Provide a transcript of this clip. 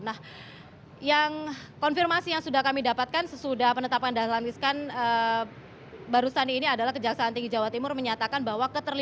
nah yang konfirmasi yang sudah kami dapatkan sesudah penetapan dahlan iskan barusan ini adalah kejaksaan tinggi jawa timur menyatakan bahwa